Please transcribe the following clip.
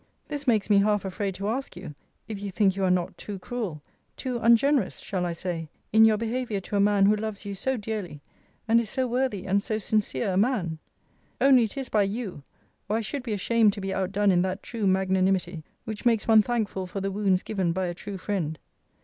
This makes me half afraid to ask you, if you think you are not too cruel, too ungenerous shall I say? in your behaviour to a man who loves you so dearly, and is so worthy and so sincere a man? Only it is by YOU, or I should be ashamed to be outdone in that true magnanimity, which makes one thankful for the wounds given by a true friend.